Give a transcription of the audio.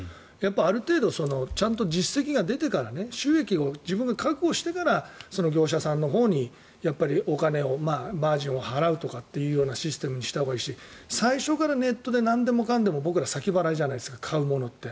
ある程度ちゃんと実績が出てから収益を自分が確保してから業者さんのほうにマージンを払うとかっていうようなシステムにしたほうがいいし最初からネットでなんでもかんでも僕ら、先払いじゃないですか買うものって。